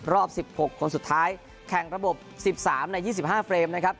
รอบ๑๖คนสุดท้ายแข่งระบบ๑๓ใน๒๕เฟรมนะครับ